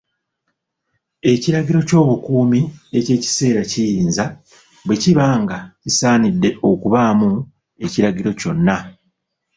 Ekiragiro ky'obukuumi eky'ekiseera kiyinza, bwe kiba nga kisaanidde okubaamu ekiragiro kyonna.